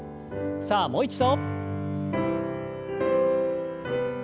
さあもう一度。